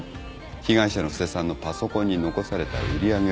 被害者の布施さんのパソコンに残された売り上げ予測。